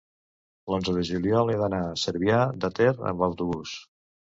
l'onze de juliol he d'anar a Cervià de Ter amb autobús.